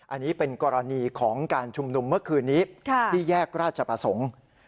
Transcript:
อันนี้เป็นกรณีของการชุมนุมเมื่อคืนนี้ที่แยกราชประสงค์